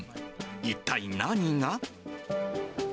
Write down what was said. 一体何が？